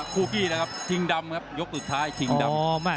กี้นะครับชิงดำครับยกสุดท้ายชิงดำ